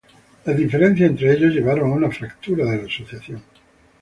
Las diferencias entre ellos llevaron a una fractura de la asociación.